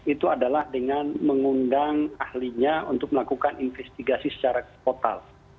itu adalah dengan mengundang ahlinya untuk melakukan investigasi secara total